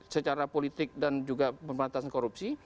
secara politik dan juga pemberantasan korupsi